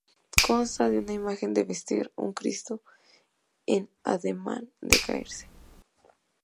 Consta de una imagen de vestir; un cristo en ademán de caerse.